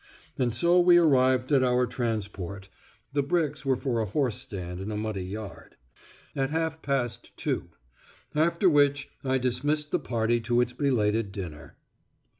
And so we arrived at our transport (the bricks were for a horse stand in a muddy yard) at half past two; after which I dismissed the party to its belated dinner.